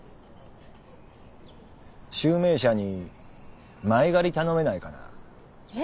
集明社に前借り頼めないかな？え？